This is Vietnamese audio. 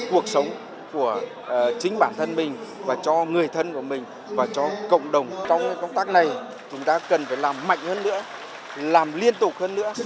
cuộc sống của chính bản thân mình và cho người thân của mình và cho cộng đồng trong công tác này chúng ta cần phải làm mạnh hơn nữa làm liên tục hơn nữa